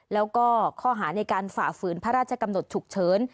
แล้วก็ข้อหาในการฝ่าฝืนพระราชกำหนดฉุกเฉิน